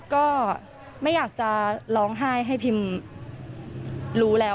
ก็ไม่อยากจะร้องไห้ให้พิมรู้แล้ว